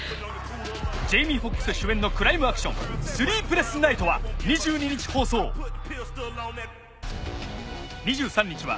ジェイミー・フォックス主演のクライムアクション『スリープレスナイト』は２２日放送２３日は